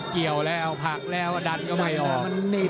เกี่ยวแล้วผลักแล้วดันก็ไม่ออก